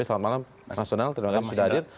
selamat malam mas donald terima kasih sudah hadir